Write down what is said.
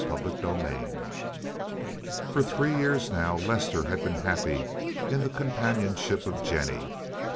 CHAPTER XXVII For three years now Lester had been happy in the companionship of Jennie.